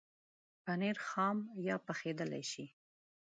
پنېر خام یا پخېدلای شي.